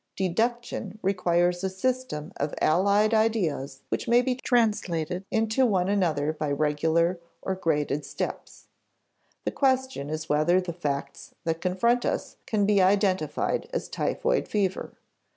Deduction requires a system of allied ideas which may be translated into one another by regular or graded steps. The question is whether the facts that confront us can be identified as typhoid fever.